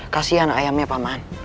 kasian ayamnya paman